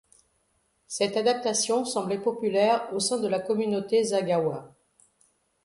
Cette adaptation semblait populaire au sein de la communauté zaghawa.